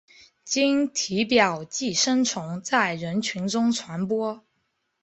经体表寄生虫在人群中传播。